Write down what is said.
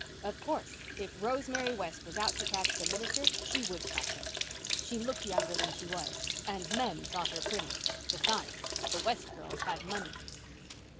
Of course, if Rosemary West was out to catch the minister she would catch him; she looked younger than she was and men thought her pretty; besides, the West girls had money!